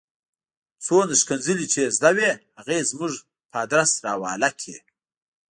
څومره ښکنځلې چې یې زده وې هغه یې زموږ په آدرس را حواله کړې.